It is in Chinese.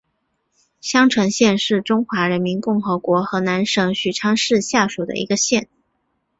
襄城县是中华人民共和国河南省许昌市下属的一个县。